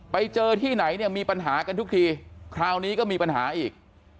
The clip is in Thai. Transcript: ไปเจอที่ไหนเนี่ยมีปัญหากันทุกทีคราวนี้ก็มีปัญหาอีก